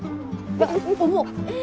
重っ。